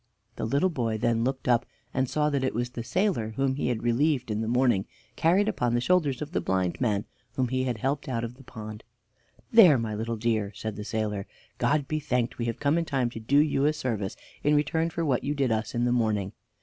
The little boy then looked up, and saw that it was the sailor whom he had relieved in the morning, carried upon the shoulders of the blind man whom he had helped out of the pond. "There, my little dear!" said the sailor. "God be thanked! we have come in time to do you a service in return for what you did us in the morning.